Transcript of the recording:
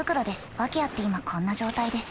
訳あって今こんな状態です。